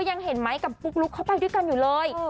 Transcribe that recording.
ยังเห็นไหมกับปุ๊กลุ๊กเขาไปด้วยกันอยู่เลย